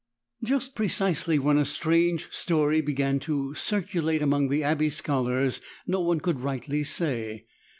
Just precisely when a strange story began to circulate among the abbey scholars no one could rightly say.